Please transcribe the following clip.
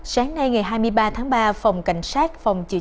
sáng nay ngày hai mươi ba tháng ba phòng cảnh sát